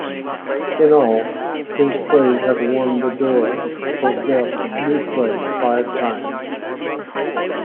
In all, his plays have won the Dora for best new play five times.